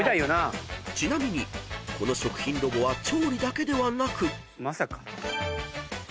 ［ちなみにこの食品ロボは調理だけではなく］